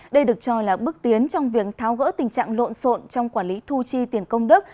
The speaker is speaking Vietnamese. đây được cho là bước tiến trong việc tháo gỡ tình trạng lộn xộn trong quản lý thu chi tiền công đức